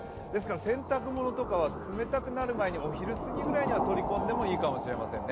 洗濯物とかは冷たくなる前にお昼過ぎには取り込んでもいいかもしれませんね。